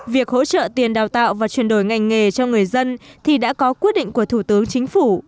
việc hỗ trợ tiền đào tạo và chuyển đổi ngành nghề cho người dân thì đã có quyết định của thủ tướng chính phủ